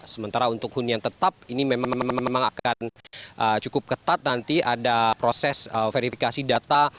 sementara untuk hunian tetap ini memang akan cukup ketat nanti ada proses verifikasi data